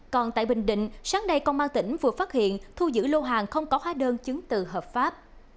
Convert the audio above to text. còn tại bình định sáng nay công an tỉnh vừa phát hiện thu giữ lô hàng không có hóa đơn chứng từ hợp pháp